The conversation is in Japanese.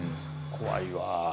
怖いわ。